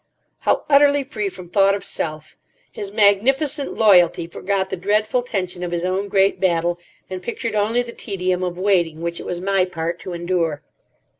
_ How utterly free from thought of self! His magnificent loyalty forgot the dreadful tension of his own great battle, and pictured only the tedium of waiting which it was my part to endure.